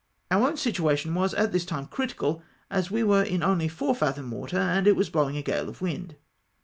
Oui' own situation was at tliis time critical, as we were in only four fathom water, and it was blowing a gale of wind.